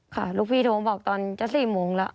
ค่ะลูกพี่โทรมาบอกตอน๔โมงแล้ว